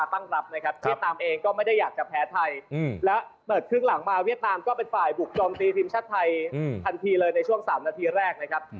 เปิดครึ่งหลังมาเวียดนามก็เป็นฝ่ายบุกจอมตีทีมชาติไทยทันทีเลยในช่วง๓นาทีแรกนะครับ